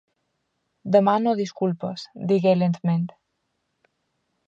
Demano disculpes, digué lentament.